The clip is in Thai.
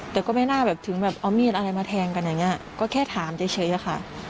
แต่ก็ไม่น่าแบบถึงแบบเอามีดอะไรมาแทงกันอย่างนี้ก็แค่ถามเฉยอะค่ะ